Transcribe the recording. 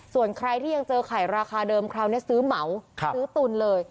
ส่วนใครที่ยังเจอไข่ราคาเดิมคราวนี้ซื้อเหมาซื้อตุนเลย